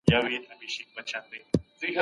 مولي د څېړنې اهمیت په ګوته کوي.